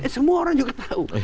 semua orang juga tahu